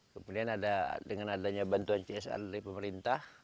kemudian ada dengan adanya bantuan csr dari pemerintah